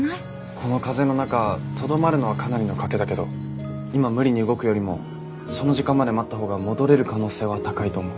この風の中とどまるのはかなりの賭けだけど今無理に動くよりもその時間まで待った方が戻れる可能性は高いと思う。